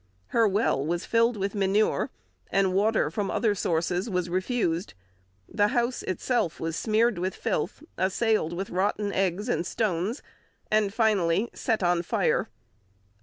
"Her well was filled with manure, and water from other sources was refused; the house itself was smeared with filth, assailed with rotten eggs and stones, and finally set on fire."